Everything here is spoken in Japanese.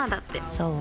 そう？